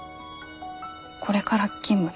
これから勤務で。